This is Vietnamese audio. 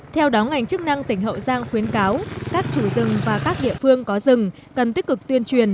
theo đó ngành chức năng tỉnh hậu giang khuyến cáo các chủ rừng và các địa phương có rừng cần tích cực tuyên truyền